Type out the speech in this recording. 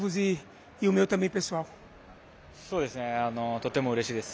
とてもうれしいです。